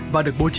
và được bố trí